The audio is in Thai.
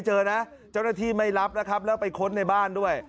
เจอนะเจ้าหน้าที่ไม่รับนะครับแล้วไปค้นในบ้านด้วย